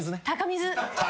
高水。